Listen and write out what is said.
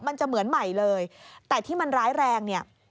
มันจะเหมือนใหม่เลยแต่ที่มันร้ายแรงเนี่ย